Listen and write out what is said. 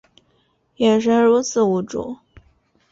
眼神如此无助